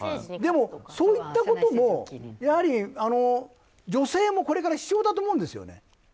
でも、そういったことも女性も、これから必要だと思うんですよね。